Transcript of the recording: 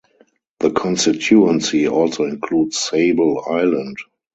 The constituency also includes Sable Island.